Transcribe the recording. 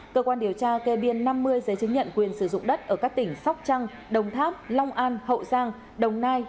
cơ quan điều tra kê biên năm mươi giấy chứng nhận quyền sử dụng đất ở các tỉnh sóc trăng đồng tháp long an hậu giang đồng nai